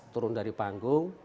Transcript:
turun dari panggung